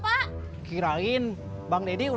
bun ayah pengen bikin usaha sendiri bun